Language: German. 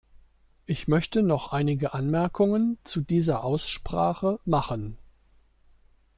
Ich möchte noch einige Anmerkungen zu dieser Aussprache machen.